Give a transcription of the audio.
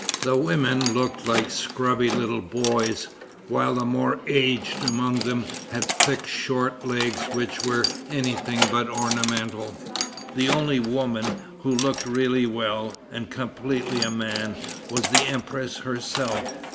The women looked like scrubby little boys, while the more aged among them had thick short legs which were any thing but ornamental. The only woman who looked really well, and completely a man, was the empress herself.